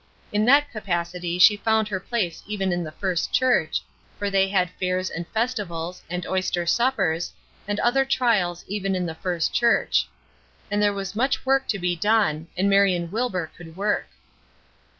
In that capacity she found her place even in the First Church, for they had fairs and festivals, and oyster suppers, and other trials even in the First Church; and there was much work to be done, and Marion Wilbur could work.